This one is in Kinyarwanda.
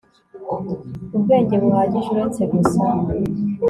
ubwenge buhagije uretse gusa